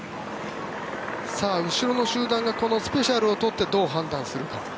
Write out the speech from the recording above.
後ろの集団がこのスペシャルを取ってどう判断するか。